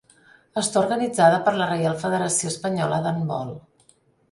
Està organitzada per la Reial Federació Espanyola d'Handbol.